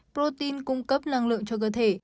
protein cung cấp năng lượng cho cơ thể